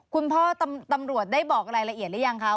ตำรวจได้บอกรายละเอียดหรือยังคะ